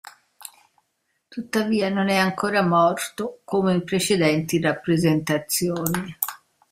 Tuttavia non è ancora morto, come in precedenti rappresentazioni.